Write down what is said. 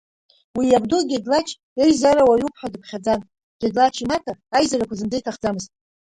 Уи иабду гедлач еизара уаҩуп ҳәа дыԥхьаӡан, Гедлач имаҭа аизарақәа зынӡа иҭахӡамызт.